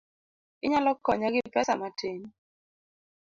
Inyalo konya gi pesa matin?